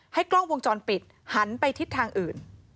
กล้องวงจรปิดหันไปทิศทางอื่น